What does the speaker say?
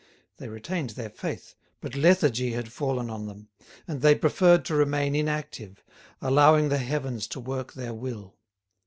They retained their faith, but lethargy had fallen on them, and they preferred to remain inactive, allowing the heavens to work their will.